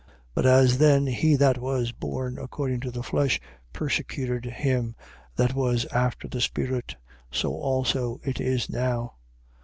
4:29. But as then he that was born according to the flesh persecuted him that was after the spirit: so also it is now.